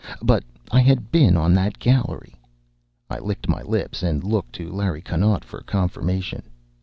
But I had been on that gallery. I licked my lips and looked to Larry Connaught for confirmation.